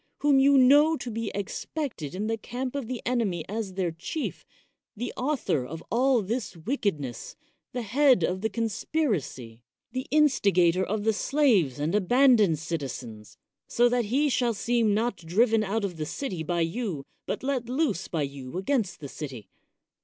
whom you know to be ex pected in the camp of the enemy as their chief, the author of all this wickedness, the head of the conspiracy, the instigator of the slaves and abandoned citizens, so that he shall seem not driven out of the city by you, but let loose by you against the city?